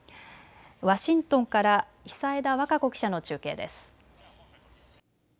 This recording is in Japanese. ワシントンから久枝和歌子記者の中継です。